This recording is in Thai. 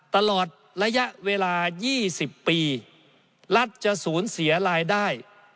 ตลอดระยะเวลา๒๐ปีรัฐจะสูญเสียรายได้